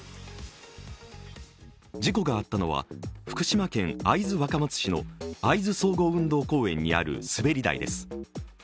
事故があったのは福島県会津若松市の会津総合運動公園にある滑り台です。